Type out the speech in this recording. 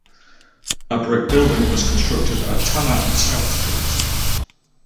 A brick building was constructed at Tanner and South streets.